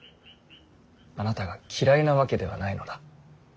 あなたが嫌いなわけではないのだ。